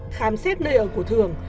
khám xét nơi ở của thường